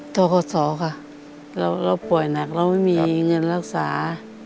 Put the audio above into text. ทกศค่ะเราป่วยหนักเราไม่มีเงินรักษา